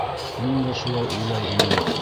Мин дә шулай уйлай инем.